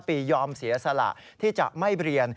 ปียอมเสียสละที่จะไม่เรียน